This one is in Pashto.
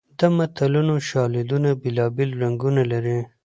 د متلونو شالیدونه بېلابېل رنګونه لري